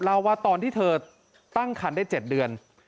เล่าว่าตอนที่เธอตั้งคันได้๗เดือน